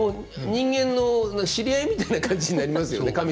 人間の知り合いみたいな感じになりますよね